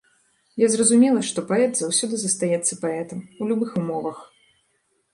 Я зразумела, што паэт заўсёды застаецца паэтам, у любых умовах.